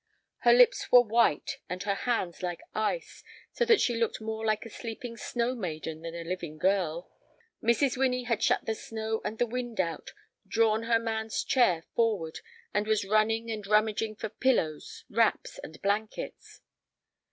Her lips were white and her hands like ice, so that she looked more like a sleeping snow maiden than a living girl. Mrs. Winnie had shut the snow and the wind out, drawn her man's chair forward, and was running and rummaging for pillows, wraps, and blankets.